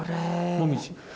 もみじ。